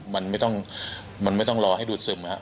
มันไม่ต้องมันไม่ต้องรอให้ดูดซึมครับ